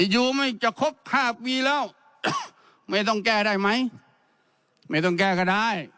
อยู่ไม่จะครบ๕ปีแล้วไม่ต้องแก้ได้ไหมไม่ต้องแก้ก็ได้